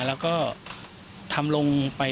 แล้วก็ทำลงไป